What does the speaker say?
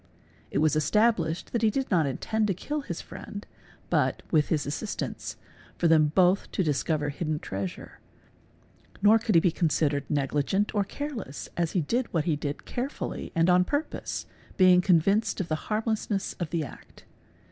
It _ was established that he did not intend to kill his friend but, with his j assistance, for them both to discover hidden treasure, nor could he be considered negligent or careless as he did what he did carefully and on _ purpose, being convinced of the harmlessness of the act.